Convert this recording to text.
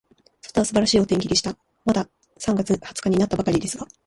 外は素晴らしいお天気でした。まだ三月二十日になったばかりですが、